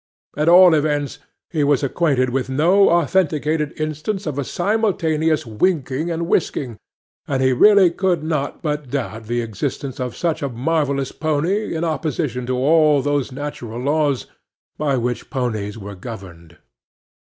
At all events, he was acquainted with no authenticated instance of a simultaneous winking and whisking, and he really could not but doubt the existence of such a marvellous pony in opposition to all those natural laws by which ponies were governed.